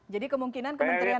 jadi kemungkinan kementerian